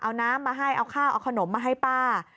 เอาน้ำมาให้เอาข้าวเอาขนมมาให้ป้า